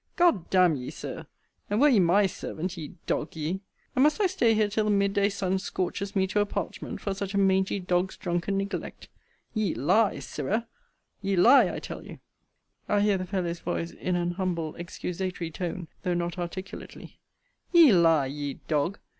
And G d d n ye, Sir! And were ye my servant, ye dog ye! And must I stay here till the mid day sun scorches me to a parchment, for such a mangy dog's drunken neglect? Ye lie, Sirrah! Ye lie, I tell you [I hear the fellow's voice in an humble excusatory tone, though not articulately] Ye lie, ye dog!